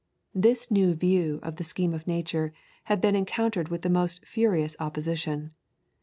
This new view of the scheme of nature had been encountered with the most furious opposition.